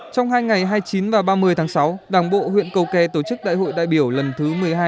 trong hai ngày hai mươi chín và ba mươi tháng sáu đảng bộ huyện cầu kè tổ chức đại hội đại biểu lần thứ một mươi hai